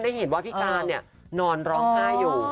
เห็นว่าพี่การนอนร้องไห้อยู่